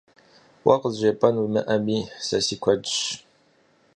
Уэ къызжепӀэн уимыӀэми, сэ си куэдщ.